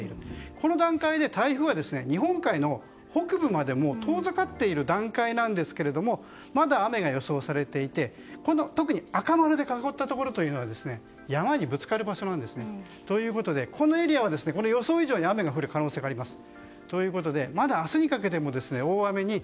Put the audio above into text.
この段階で台風が日本海の北部まで遠ざかっている段階なんですけどまだ雨が予想されていて特に赤丸で囲ったところは山にぶつかる場所なんです。ということでこのエリアは予想以上に雨が降る可能性があります。